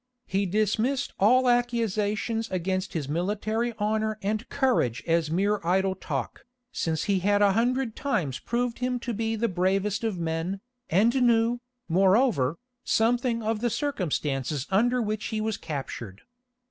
He dismissed all accusations against his military honour and courage as mere idle talk, since he had a hundred times proved him to be the bravest of men, and knew, moreover, something of the circumstances under which he was captured.